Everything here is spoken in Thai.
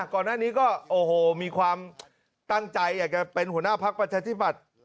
ก่อนหน้านี้ก็โอ้โหมีความตั้งใจอยากจะเป็นหัวหน้าพักประชาธิบัติ